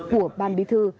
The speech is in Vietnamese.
của ban bí thư